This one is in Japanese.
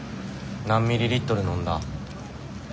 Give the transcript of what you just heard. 何ミリリットル飲んだ？